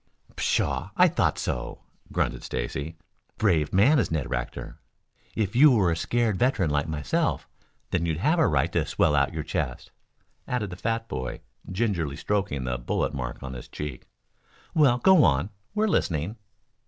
"Pshaw! I thought so," grunted Stacy. "Brave man is Ned Rector! If you were a scarred veteran like myself then you'd have a right to swell out your chest," added the fat boy, gingerly stroking the bullet mark on his cheek. "Well, go on. We're listening."